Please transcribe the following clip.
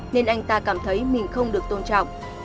nên anh ta cảm thấy mình không được tôn trọng